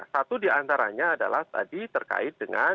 satu di antaranya adalah tadi terkait dengan